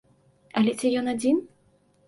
Але ці ён адзін?